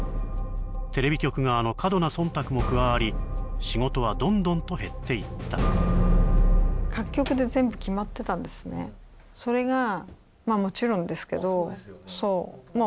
テレビ局側の過度な忖度も加わり仕事はどんどんと減っていったそれがまあもちろんですけどまあ